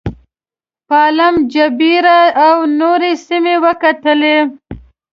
پالم جبیره او نورې سیمې وکتلې.